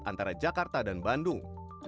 antara jakarta dan bandung